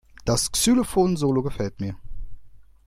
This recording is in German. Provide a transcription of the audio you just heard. Das Xylophon-Solo gefällt mir.